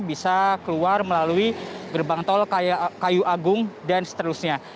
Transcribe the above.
bisa keluar melalui gerbang tol kayu agung dan seterusnya